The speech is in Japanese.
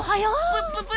プッププ！